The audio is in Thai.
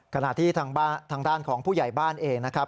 ขณะที่ทางด้านของผู้ใหญ่บ้านเองนะครับ